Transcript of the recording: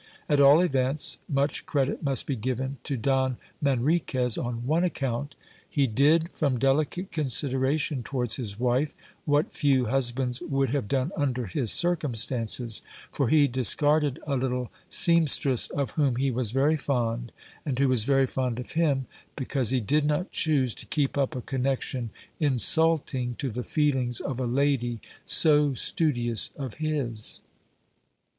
At all events, much credit must be given to Don Manriquez on one account: he did, from delicate consideration towards his wife, what few husbands would have done under his circumstances, for he discarded a little sempstress of whom he was very fond, and who was very fond of him, because he did not choose to keep up a connection insulting to the feelings of a lady so studious of his.